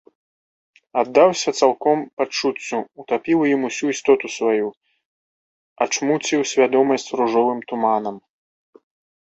Аддаўся цалком пачуццю, утапіў у ім усю істоту сваю, ачмуціў свядомасць ружовым туманам.